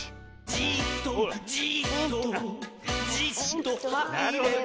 「じっとじっとじっとはいればからだの」